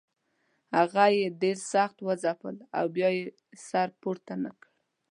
هغه یې ډېر سخت وځپل او بیا یې سر پورته نه کړ.